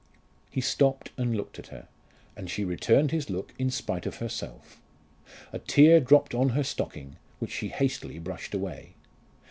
He stopped and looked at her, and she returned his look in spite of herself. A tear dropped on her stocking which she hastily brushed away.